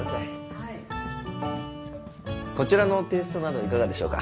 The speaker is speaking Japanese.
・はいこちらのテイストなどいかがでしょうか？